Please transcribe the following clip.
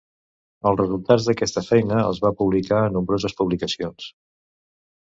Els resultats d'aquesta feina els va publicar a nombroses publicacions.